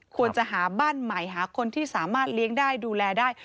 ควรจะหาบ้านใหม่หาคนที่สามารถเลี้ยงได้ดูแลได้